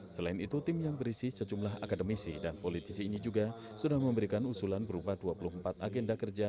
selain itu tim yang berisi sejumlah akademisi dan politisi ini juga sudah memberikan usulan berupa dua puluh empat agenda kerja